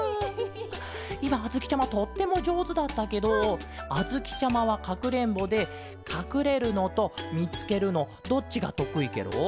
いまあづきちゃまとってもじょうずだったけどあづきちゃまはかくれんぼでかくれるのとみつけるのどっちがとくいケロ？